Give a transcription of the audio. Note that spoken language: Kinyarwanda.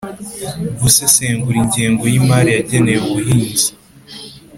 gusesengura ingengo y'imari yagenewe ubuhinzi